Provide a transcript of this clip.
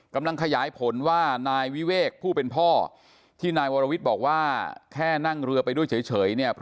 กำลังขยายผลว่านายวิเวกผู้เป็นพ่อที่นายวรวิทย์บอกว่าแค่นั่งเรือไปด้วยเฉยเนี่ย